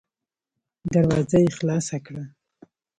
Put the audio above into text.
دروازه يې خلاصه کړه.